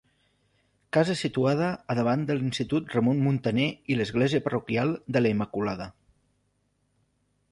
Casa situada a davant de l'Institut Ramon Muntaner i l'Església parroquial de la Immaculada.